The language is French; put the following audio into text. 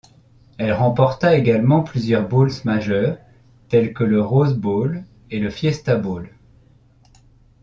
Elle remporta également plusieurs bowls majeurs tel le Rose Bowl ou le Fiesta Bowl.